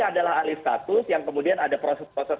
adalah alih status yang kemudian ada proses proses